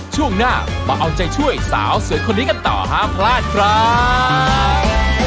ช่วงหน้ามาเอาใจช่วยสาวสวยคนนี้กันต่อห้ามพลาดครับ